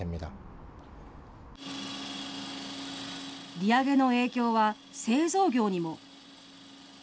利上げの影響は、製造業にも。